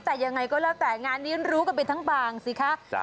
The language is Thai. แต่ยังไงก็แล้วแต่งานนี้รู้กันไปทั้งบางสิคะ